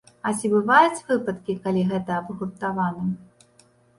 А ці бываюць выпадкі, калі гэта абгрунтавана?